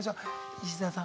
石澤さん